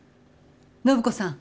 暢子さん。